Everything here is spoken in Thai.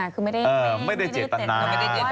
คือไม่ได้เจตนา